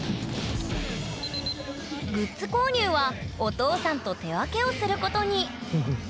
グッズ購入はお父さんと手分けをすることに。